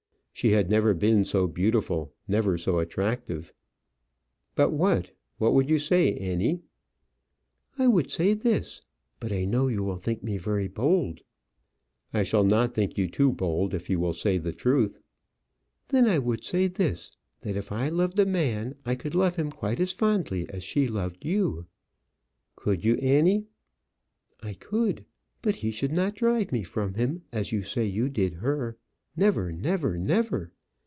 She had never been so beautiful, never so attractive. "But what ? What would you say, Annie?" "I would say this. But I know you will think me very bold." "I shall not think you too bold if you will say the truth." "Then I would say this that if I loved a man, I could love him quite as fondly as she loved you." "Could you, Annie?" "I could. But he should not drive me from him, as you say you did her; never never never.